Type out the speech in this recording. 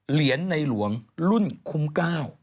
เหรียญในหลวงรุ่นคุ้ม๙